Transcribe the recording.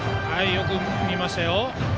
よく見ましたよ。